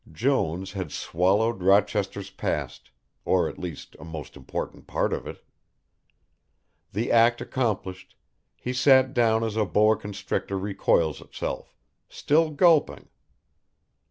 Jones had swallowed Rochester's past, or at least a most important part of it. The act accomplished, he sat down as a boa constrictor recoils itself, still gulping.